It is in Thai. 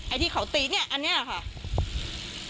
ไอ้ที่เขาตีเนี่ยอันเนี่ยเหรอคะ